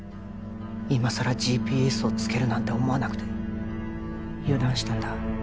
今さらＧＰＳをつけるなんて思わなくて油断したんだ